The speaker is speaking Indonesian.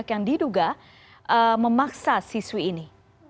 bagaimana pihak yang diduga memaksa siswi ini